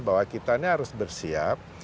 bahwa kita harus bersiap